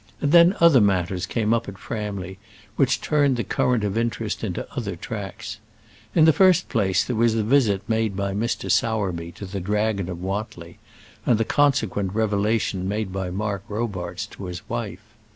And then other matters came up at Framley which turned the current of interest into other tracks. In the first place there was the visit made by Mr. Sowerby to the Dragon of Wantly, and the consequent revelation made by Mark Robarts to his wife.